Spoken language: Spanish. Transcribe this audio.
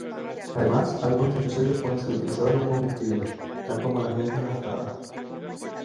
Además, algunos desechos sólidos pueden ser utilizados como combustibles, tal como las llantas gastadas.